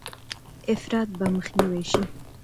افراط به مخنیوی شي.